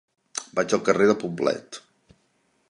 Vaig al carrer de Poblet.